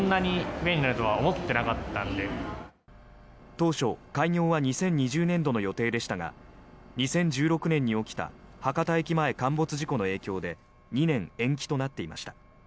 当初、開業は２０２０年度の予定でしたが２０１６年に起きた博多駅前陥没事故の影響で２年延期となっていました。